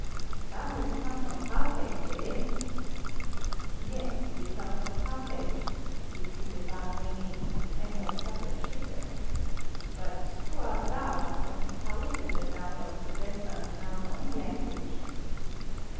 "Thou hast come from Carthage, eh?" "Yes, we come from Carthage," repeated Bar Noemi, "and have suffered shipwreck. But who art thou, and how is it that thou dost address us in our own language?"